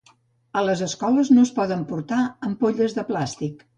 A les escoles no es poden portar ampolles de plàstic.